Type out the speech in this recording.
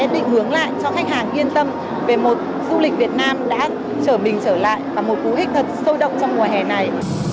định hướng lại cho khách hàng yên tâm về một du lịch việt nam đã trở mình trở lại và một cú hích thật sôi động trong mùa hè này